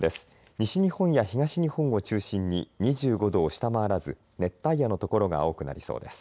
西日本や東日本を中心に２５度を下回らず熱帯夜の所が多くなりそうです。